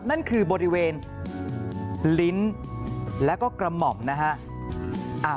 นั่นคือบริเวณลิ้นแล้วก็กระหม่อมนะฮะ